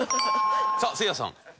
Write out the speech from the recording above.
さあせいやさん。